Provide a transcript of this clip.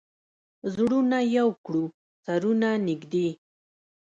زړونه یو کړو، سرونه نژدې